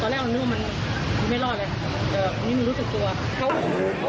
ตอนแรกหมดเนื่องมันไม่รอดเลย